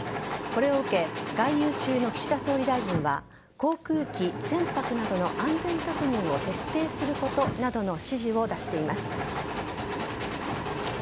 これを受け外遊中の岸田総理大臣は航空機、船舶などの安全確認を徹底することなどの指示を出しています。